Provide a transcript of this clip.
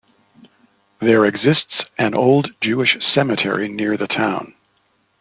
There exists an old Jewish cemetery near the town.